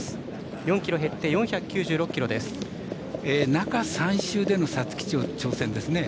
中３週での皐月賞挑戦ですね。